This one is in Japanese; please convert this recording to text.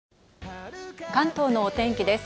関東のお天気です。